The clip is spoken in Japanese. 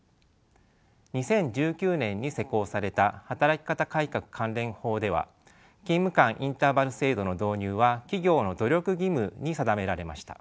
２０１９年に施行された働き方改革関連法では勤務間インターバル制度の導入は企業の努力義務に定められました。